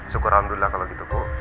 syukur alhamdulillah kalau gitu bu